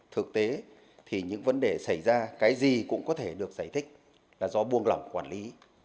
thực tế thì những vấn đề xảy ra cái gì cũng có thể được giải thích là do buông lỏng quản lý